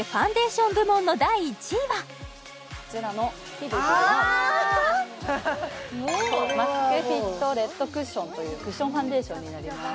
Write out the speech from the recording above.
そしてマスクフィットレッドクッションというクッションファンデーションになります